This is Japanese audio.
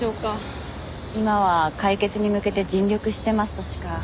今は解決に向けて尽力してますとしか。